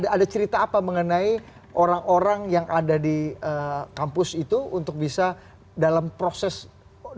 ada cerita apa mengenai orang orang yang ada di kampus itu untuk bisa dalam proses